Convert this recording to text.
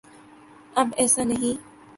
اب ایسا نہیں۔